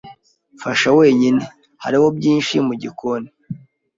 Fasha wenyine. Hariho byinshi mu gikoni.